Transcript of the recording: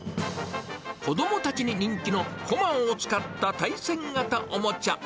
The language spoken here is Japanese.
子どもたちに人気の、こまを使った対戦型おもちゃ。